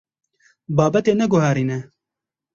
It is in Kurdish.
Babetê neguherîne.